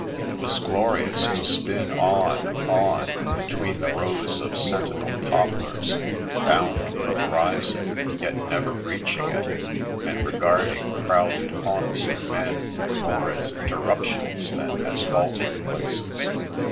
It was glorious to spin on, on, be tween the rows of sentinel poplars, bound for the My Lesson 33 horizon, yet never reaching it, and regarding crowded haunts of men more as interruptions than as halting places.